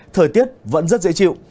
thời tiết vẫn rất dễ chịu